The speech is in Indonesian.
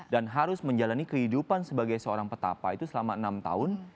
dan harus menjalani kehidupan sebagai seorang petapa itu selama enam tahun